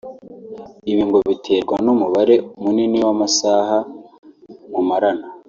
Ibi ngo biterwa n’umubare munini w’amasaha mumarana